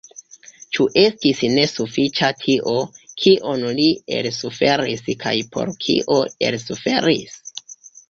Ĉu estis ne sufiĉa tio, kion li elsuferis kaj por kio elsuferis?